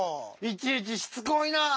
いちいちしつこいなぁ！